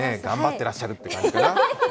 てらっしゃるって感じかな。